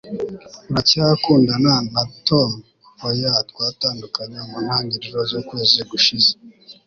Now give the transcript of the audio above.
uracyakundana na tom? oya, twatandukanye mu ntangiriro z'ukwezi gushize